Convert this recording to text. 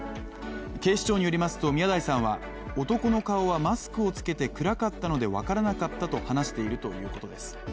警視庁によりますと、宮台さんは男の顔はマスクをつけて暗かったので分からなかったと話しているということです。